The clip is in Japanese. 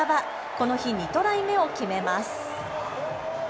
この日、２トライ目を決めます。